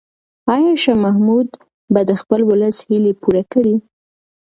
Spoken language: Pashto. آیا شاه محمود به د خپل ولس هیلې پوره کړي؟